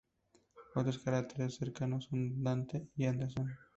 Otros cráteres cercanos son Dante y Anderson.